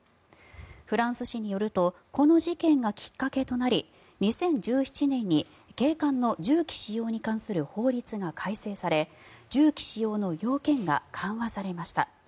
フランス紙によるとこの事件がきっかけとなり２０１７年に警官の銃器使用に関する法律が改正され銃器使用の要件が緩和されました。